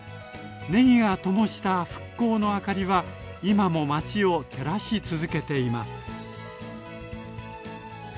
ねぎがともした復興の明かりは今も町を照らし続けています。